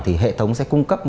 thì hệ thống sẽ cung cấp